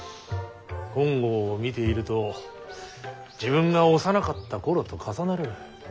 金剛を見ていると自分が幼かった頃と重なる。